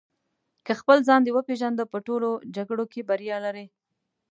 که خپل ځان دې وپېژنده په ټولو جګړو کې بریا لرې.